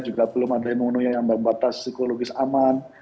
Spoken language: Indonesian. juga belum ada yang membatas psikologis aman